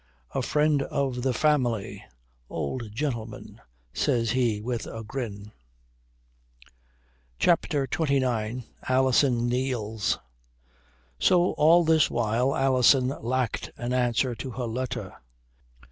"A friend of the family, old gentleman," says he with a grin. CHAPTER XXIX ALISON KNEELS So all this while Alison lacked an answer to her letter.